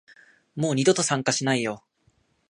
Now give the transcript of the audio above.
もう二度と参加しないよ